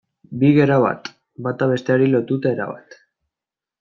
Bi gera bat, bata besteari lotuta erabat.